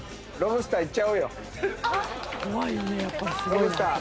ロブスター。